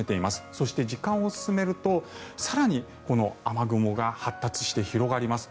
そして時間を進めると更にこの雨雲が発達して広がります。